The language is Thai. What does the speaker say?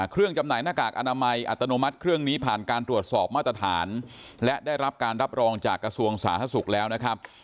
จำหน่ายหน้ากากอนามัยอัตโนมัติเครื่องนี้ผ่านการตรวจสอบมาตรฐานและได้รับการรับรองจากกระทรวงสาธารณสุขแล้วนะครับ